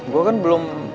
gue kan belum